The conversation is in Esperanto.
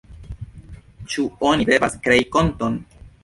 Ĉu oni devas krei konton?